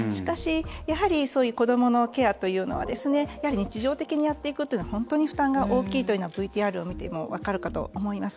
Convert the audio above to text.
やはり、そういう子どものケアというのは日常的にやっていくというのは本当に負担が大きいというのはＶＴＲを見て分かるかと思います。